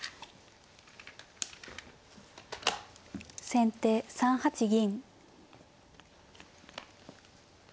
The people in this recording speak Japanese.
先手３八銀。